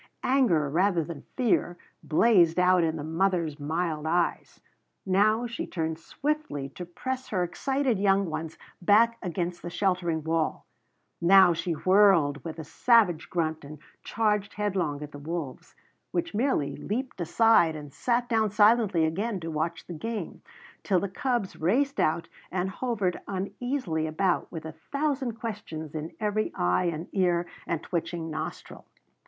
Anger, rather than fear, blazed out in the mother's mild eyes. Now she turned swiftly to press her excited young ones back against the sheltering wall; now she whirled with a savage grunt and charged headlong at the wolves, which merely leaped aside and sat down silently again to watch the game, till the cubs raced out and hovered uneasily about with a thousand questions in every eye and ear and twitching nostril.